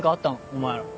お前ら。